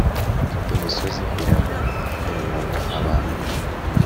imisozi irava imyuna abantu